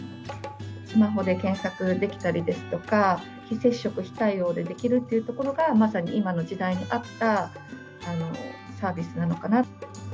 スマホで検索できたりですとか、非接触、非対面でできるっていうところが、まさに今の時代に合ったサービスなのかなと。